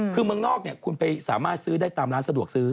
คือเมืองนอกคุณไปสามารถซื้อได้ตามร้านสะดวกซื้อ